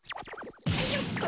よっと！